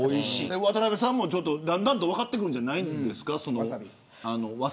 渡邊さんもだんだんと分かってくるんじゃないですか。